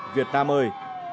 việt nam ơi